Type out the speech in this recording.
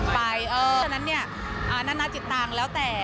เพราะฉะนั้นน่าน่าจิตต่างแล้วแต่